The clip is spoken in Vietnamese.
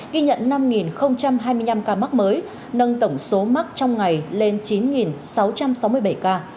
ghi nhận năm hai mươi năm ca mắc mới nâng tổng số mắc trong ngày lên chín sáu trăm sáu mươi bảy ca